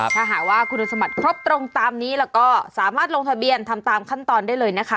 ถ้าหากว่าคุณสมบัติครบตรงตามนี้แล้วก็สามารถลงทะเบียนทำตามขั้นตอนได้เลยนะคะ